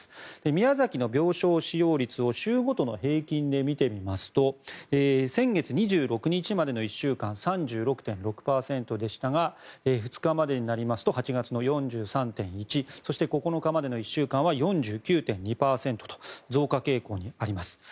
宮崎の病床使用率を週ごとの平均で見てみますと先月２６日までの１週間３６．６％でしたが２日までになりますと８月の４３．１％そして９日までの１週間は４９．２％と増加傾向にあります。